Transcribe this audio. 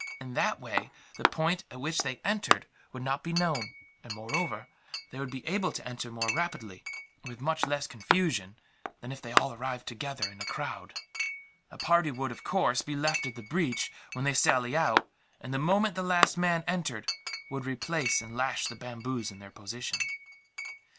In that way the point at which they entered would not be known and, moreover, they would be able to enter more rapidly, and with much less confusion, than if they all arrived together in a crowd. A party would, of course, be left at the breach when they sally out and, the moment the last man entered, would replace and lash the bamboos in their position.